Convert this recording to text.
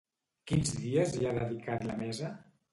Quins dies hi ha dedicat la mesa?